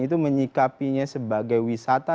itu menyikapinya sebagai wisata